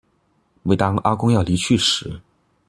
每当阿公要离去时